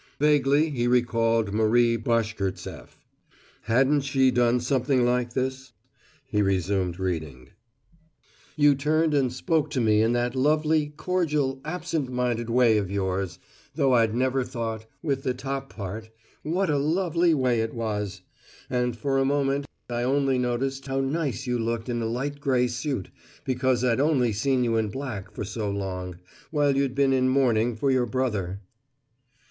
Vaguely he recalled Marie Bashkirtseff: hadn't she done something like this? He resumed the reading: "You turned and spoke to me in that lovely, cordial, absent minded way of yours though I'd never thought (with the top part) what a lovely way it was; and for a moment I only noticed how nice you looked in a light gray suit, because I'd only seen you in black for so long, while you'd been in mourning for your brother."